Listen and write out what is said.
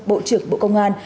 bộ trưởng bộ công an